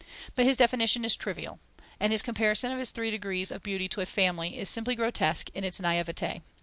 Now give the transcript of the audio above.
But his definition is trivial, and his comparison of his three degrees of beauty to a family is simply grotesque in its naïveté.